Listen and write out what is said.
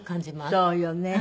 そうよね。